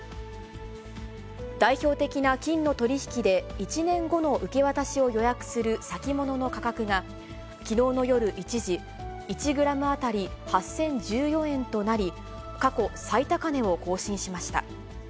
代表的な金の取り引きで、１年後の受け渡しを予約する先物の価格が、きのうの夜、一時１グラム当たり８０１４円となり、過去最高値を更新しました。